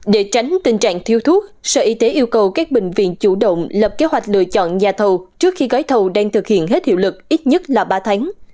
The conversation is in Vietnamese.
để tránh tình trạng thiếu thuốc sở y tế yêu cầu các bệnh viện chủ động lập kế hoạch lựa chọn nhà thầu trước khi gói thầu đang thực hiện hết hiệu lực ít nhất là ba tháng